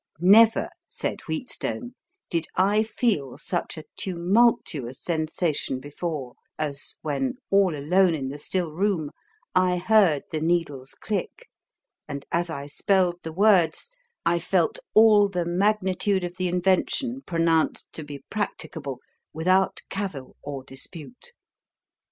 "Never," said Wheatstone, "did I feel such a tumultuous sensation before, as when, all alone in the still room, I heard the needles click, and as I spelled the words I felt all the magnitude of the invention pronounced to be practicable without cavil or dispute."